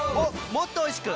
もっとおいしく！